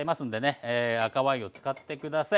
赤ワインを使って下さい。